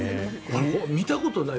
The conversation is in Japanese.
見たことない。